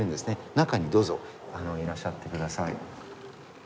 中にどうぞいらっしゃってください